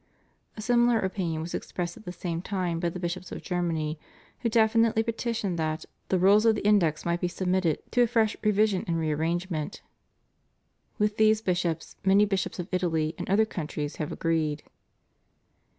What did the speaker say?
A similar opinion was expressed at the same time by the bishops of Germany, who definitely petitioned that "the rules of the Index might be sub mitted to a fresh revision and a rearrangement." With these bishops many bishops of Italy and other countries have agreed.